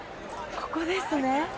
ここですね